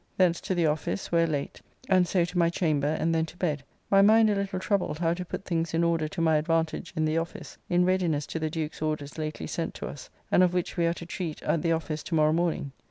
Thence to the office, where late, and so to my chamber and then to bed, my mind a little troubled how to put things in order to my advantage in the office in readiness to the Duke's orders lately sent to us, and of which we are to treat at the office to morrow morning.